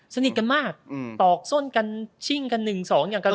สนิทกันมากตอกส้นกันชิ้นกันหนึ่งสองอย่างกัน